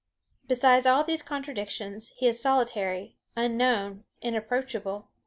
Besides all these contradictions, he is solitary, unknown, inapproachable.